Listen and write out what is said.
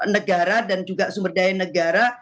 negara dan juga sumber daya negara